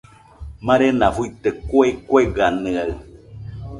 Marena fuite kue kueganɨaɨ